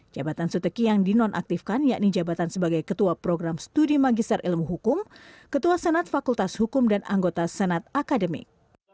jabatan suteki yang dinonaktifkan yakni jabatan sebagai ketua program studi magister ilmu hukum ketua senat fakultas hukum dan anggota senat akademik